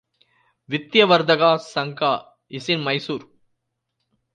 Vidyavardhaka Sangha is in Mysore.